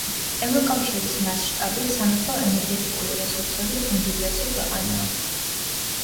ევროკავშირის მასშტაბით სამეფო ენერგეტიკული რესურსებით უმდიდრესი ქვეყანაა.